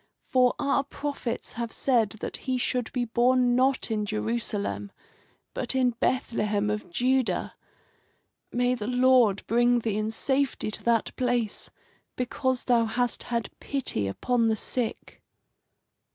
For our prophets have said that he should be born not in Jerusalem, but in Bethlehem of Judah. May the Lord bring thee in safety to that place, because thou hast had pity upon the sick."